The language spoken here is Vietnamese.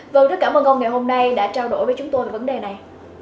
vâng rất cảm ơn ông ngày hôm nay đã trao đổi với chúng tôi về vấn đề này